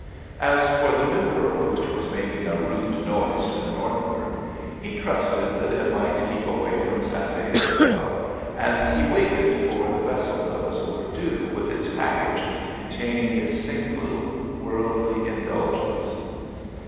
As for the new world which was making a rude noise to the northward, he trusted that it might keep away from Santa Ysabel, and he waited for the vessel that was overdue with its package containing his single worldly indulgence.